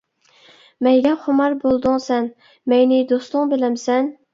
مەيگە خۇمار بولدۇڭ سەن، مەينى دوستۇڭ بىلەمسەن.